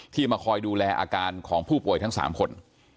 มาคอยดูแลอาการของผู้ป่วยทั้ง๓คน